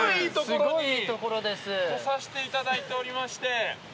すごい、いいところに来させていただいておりまして。